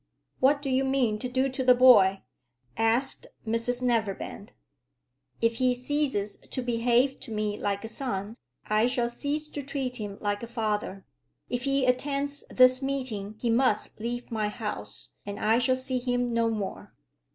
"What do you mean to do to the boy?" asked Mrs Neverbend. "If he ceases to behave to me like a son, I shall cease to treat him like a father. If he attends this meeting he must leave my house, and I shall see him no more."